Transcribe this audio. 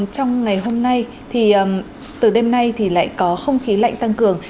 trong ngày hôm nay thì từ đêm nay thì lại có không khí lạnh tăng cường